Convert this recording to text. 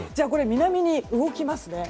南に動きますね。